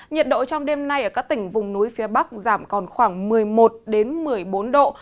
nhiệt độ trong đêm nay ở các tỉnh vùng núi phía bắc giảm còn khoảng một mươi một một mươi bốn độ